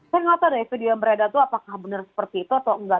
saya nggak tahu deh video yang beredar itu apakah benar seperti itu atau enggak